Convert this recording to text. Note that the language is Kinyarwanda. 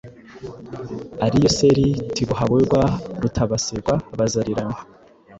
ari Yoseri Tibuhaburwa Rutabasirwa Buzariranwa